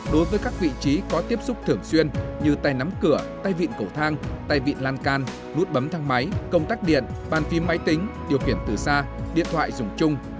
đối với các vị trí có tiếp xúc thường xuyên như tay nắm cửa tay vịn cầu thang tay vịn lan can nút bấm thang máy công tắc điện bàn phim máy tính điều khiển từ xa điện thoại dùng chung